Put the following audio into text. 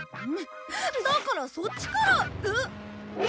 だからそっちからえっ。